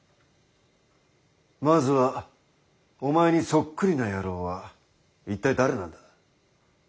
まずはお前にそっくりな野郎は一体誰なんだ？